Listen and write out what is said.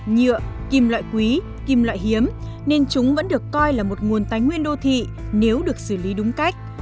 nhựa kim loại quý kim loại hiếm nên chúng vẫn được coi là một nguồn tái nguyên đô thị nếu được xử lý đúng cách